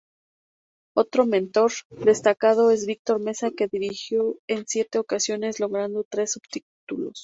Otro mentor destacado es Víctor Mesa que dirigió en siete ocasiones logrando tres subtítulos.